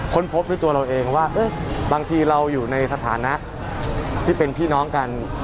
พบด้วยตัวเราเองว่าบางทีเราอยู่ในสถานะที่เป็นพี่น้องกัน